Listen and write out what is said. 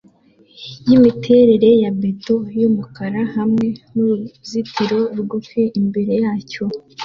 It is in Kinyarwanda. yimiterere ya beto yumukara hamwe nuruzitiro rugufi imbere yacyo